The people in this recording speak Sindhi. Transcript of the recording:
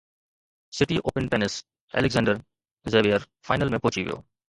city Open tennis Alexander Zverev final ۾ پهچي ويو